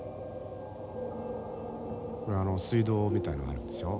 これ水道みたいなのがあるんですよ。